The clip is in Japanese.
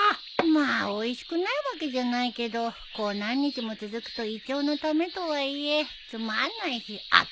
まあおいしくないわけじゃないけどこう何日も続くと胃腸のためとはいえつまんないし飽きるよね。